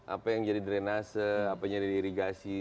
apa yang jadi drenase apa yang jadi irigasi